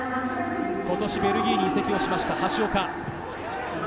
ベルギーに移籍しました橋岡。